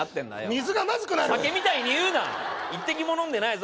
水がまずくなる酒みたいに言うな１滴も飲んでないぞ